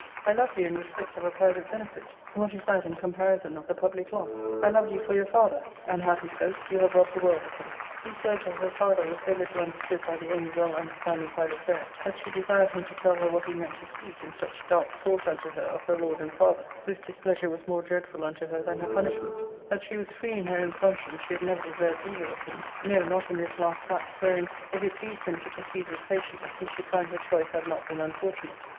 I loved you in respect of a private benefit: what is that in comparison of the public loss ? I loved you for your father : unhappy folks, you have robbed the world of him." These words of her father were so little understood by the Only well understanding Philoclea that she desired him to tell her what he meant to speak in such dark sort unto her of her lord and father, whose displeasure was more dreadful unto her than her punishment ; that she was free in her own conscience she had never deserved evil of him — no, not in this last fact 5 wherein, if it pleased him to proceed with patience, he should find her choice had not been unfortunate.